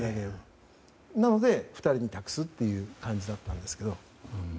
なので、２人に託す感じだったんですけど。